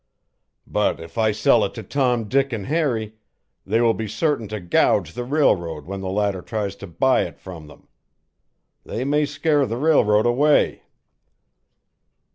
But if I sell it to Tom, Dick, and Harry, they will be certain to gouge the railroad when the latter tries to buy it from them. They may scare the railroad away.'"